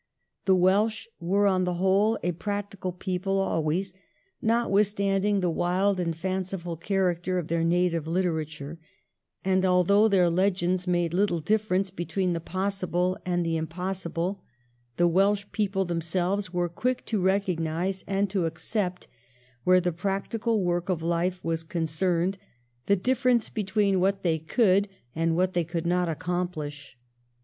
The Welsh were on the whole a practical people always, notwithstanding the wild and fanciful character of their native hterature ; and although their legends made little difference between the possible and the impossible the Welsh people themselves were quick to recognise and to accept, where the practical work of life was con cerned, the difference between what they could and what they could not accomplish.